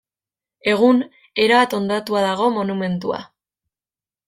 Egun erabat hondatua dago monumentua.